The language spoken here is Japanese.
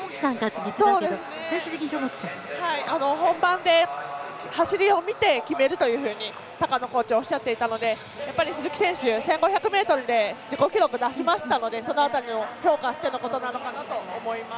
本番で走りを見て決めると高野コーチはおっしゃっていたので鈴木選手、１５００ｍで自己記録を出しましたのでその辺りを評価してのことなのかなと思います。